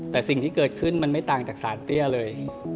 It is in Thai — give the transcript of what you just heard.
แต่สิ่งที่เกิดขึ้นมันไม่ต่างจากสารเตี้ยเลย